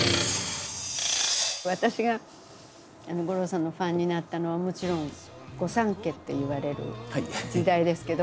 私が五郎さんのファンになったのはもちろん御三家っていわれる時代ですけど。